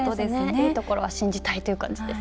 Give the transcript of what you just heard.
いいところは信じたいという感じです。